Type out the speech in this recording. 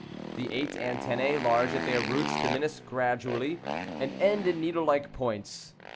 The eight antennæ, large at their roots, diminish gradually, and end in needle like points.